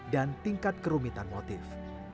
dan tingkat kerumitan motif